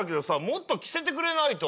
もっと着せてくれないと。